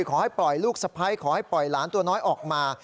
ขอให้ปล่อยลูกสะพ้ายขอให้ปล่อยหลานตัวน้อยออกมา